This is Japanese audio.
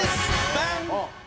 バン！